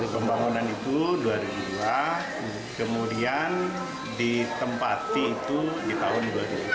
pembangunan itu dua ribu dua kemudian ditempati itu di tahun dua ribu dua puluh